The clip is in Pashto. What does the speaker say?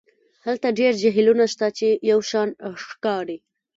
هلته ډیر جهیلونه شته چې یو شان ښکاري